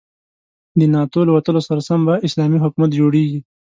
د ناتو له وتلو سره سم به اسلامي حکومت جوړيږي.